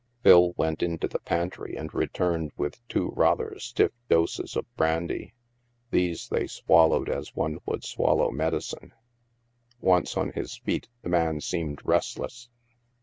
Phil went into the pantry and returned with two rather stiff doses of brandy. These they swallowed as one would swallow medicine. Once on his feet, the man seemed restless.